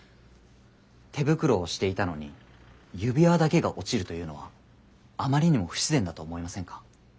手袋をしていたのに指輪だけが落ちるというのはあまりにも不自然だと思いませんか？